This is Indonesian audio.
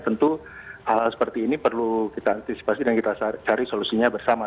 tentu hal hal seperti ini perlu kita antisipasi dan kita cari solusinya bersama